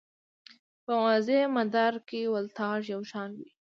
په موازي مدار کې ولتاژ یو شان وي.